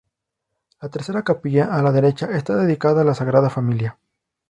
La tercera capilla a la derecha está dedicada a la Sagrada Familia.